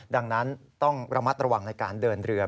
ดังนั้นต้องระมัดระวังในการเดินเรือ